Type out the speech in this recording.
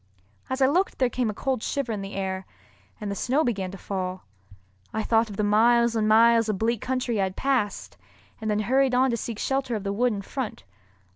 As I looked there came a cold shiver in the air, and the snow began to fall. I thought of the miles and miles of bleak country I had passed, and then hurried on to seek shelter of the wood in front.